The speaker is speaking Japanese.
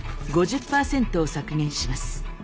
５０％を削減します。